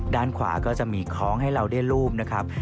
ด้านขวาก็จะมีคล้องให้เราได้รูปนะครับ